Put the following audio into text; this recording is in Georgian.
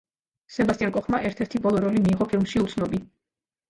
სებასტიან კოხმა ერთ-ერთი ბოლო როლი მიიღო ფილმში „უცნობი“.